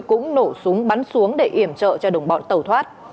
cũng nổ súng bắn xuống để iểm trợ cho đồng bọn tàu thoát